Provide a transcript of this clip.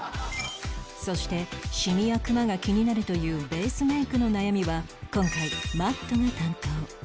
そしてシミやクマが気になるというベースメイクの悩みは今回 Ｍａｔｔ が担当